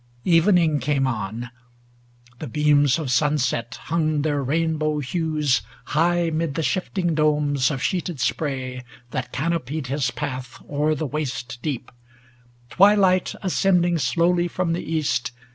Evening came on; The beams of sunset hung their rainbow hues High 'mid the shifting domes of sheeted spray That canopied his path o'er the waste deep ; Twilight, ascending slowly from the east.